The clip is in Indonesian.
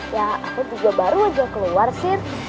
ya aku juga baru aja keluar sih